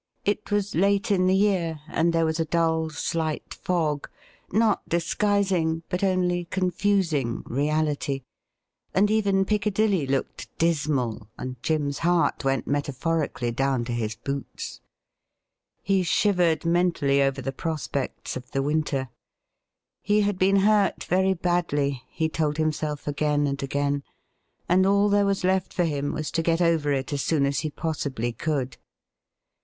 It was late in the year, and there was a dull slight fog, not disguising, but only con BACK TO LONDON 125 fusing, reality, and even Piccadilly looked dismal, and Jim's heart went metaphorically down to his boots. He shivered mentally over the prospects of the winter. He had been hurt very badly, he told himself again and again, and all there was left for him was to get over it as soon as he possibly could.